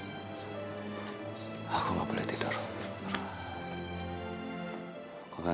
dan layan tik strictnya